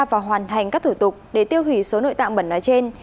và hoàn thành các thủ tục để tiêu hủy số nội tạ bẩn nói trên